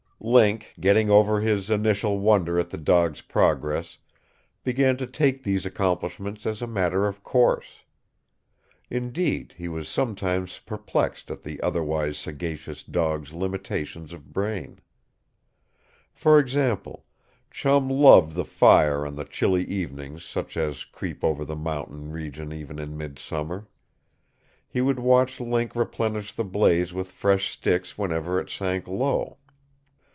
Link, getting over his initial wonder at the dog's progress, began to take these accomplishments as a matter of course. Indeed, he was sometimes perplexed at the otherwise sagacious dog's limitations of brain. For example, Chum loved the fire on the chilly evenings such as creep over the mountain region even in midsummer. He would watch Link replenish the blaze with fresh sticks whenever it sank low.